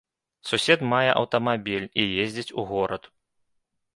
Сусед мае аўтамабіль і ездзіць у горад.